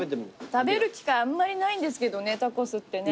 食べる機会あんまりないんですけどねタコスってね。